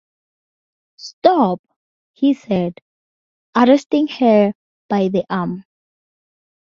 ‘Stop!’ he said, arresting her by the arm.